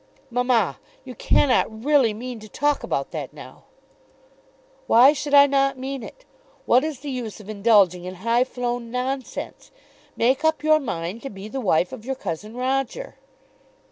"Mamma, you cannot really mean to talk about that now?" "Why should I not mean it? What is the use of indulging in high flown nonsense? Make up your mind to be the wife of your cousin Roger."